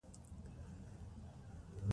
دا ژورنال د ایلینای پوهنتون لخوا خپریږي.